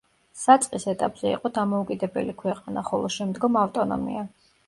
საწყის ეტაპზე იყო დამოუკიდებელი ქვეყანა ხოლო შემდგომ ავტონომია.